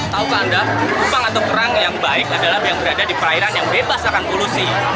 tahukah anda kupang atau kerang yang baik adalah yang berada di perairan yang bebas akan polusi